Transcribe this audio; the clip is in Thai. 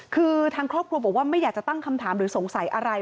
คือทางครอบครัวบอกว่าไม่อยากจะตั้งคำถามหรือสงสัยอะไร